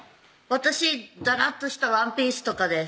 私だらっとしたワンピースとかです